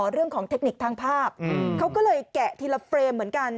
เรื่องของเทคนิคทางภาพเขาก็เลยแกะทีละเฟรมเหมือนกัน